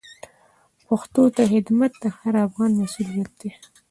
پښتو ته خدمت د هر افغان مسوولیت دی.